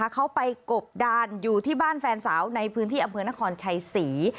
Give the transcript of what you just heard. เขาไปกบดานอยู่ที่บ้านแฟนสาวในพื้นที่อำเภอนครชัยศรี